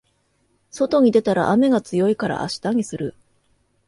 外に出たら雨が強いから明日にする